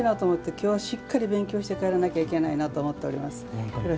今日はしっかり勉強して帰らなきゃいけないなと思っております。